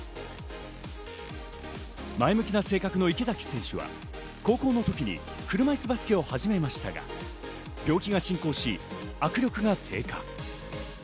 前向きな性格の池崎選手は高校の時に車いすバスケを始めましたが、病気が進行し握力が低下。